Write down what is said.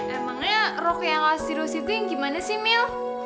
emangnya rok yang gak serius itu yang gimana sih mil